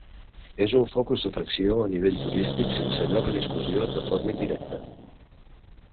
És un focus d'atracció a nivell turístic sense lloc a discussió de forma indirecta.